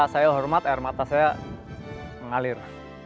saya hormat air mata saya mengalir